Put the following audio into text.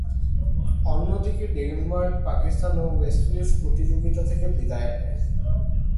অন্যদিকে, ডেনমার্ক, পাকিস্তান ও West Indies প্রতিযোগিতা থেকে বিদায় নেয়।